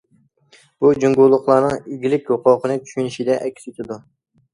بۇ جۇڭگولۇقلارنىڭ ئىگىلىك ھوقۇقنى چۈشىنىشىدە ئەكس ئېتىدۇ.